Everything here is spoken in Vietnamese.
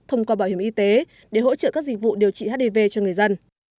thông qua bảo hiểm y tế để hỗ trợ các dịch vụ điều trị hdv cho người dân